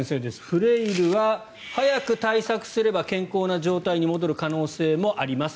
フレイルは早く対策すれば健康な状態に戻る可能性はあります。